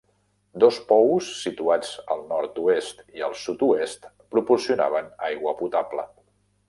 Dos pous situats al nord-oest i al sud-oest proporcionaven aigua potable.